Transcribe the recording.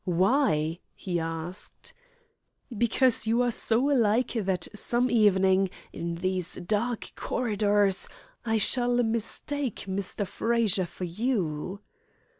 "Why?" he asked. "Because you are so alike that some evening, in these dark corridors, I shall mistake Mr. Frazer for you."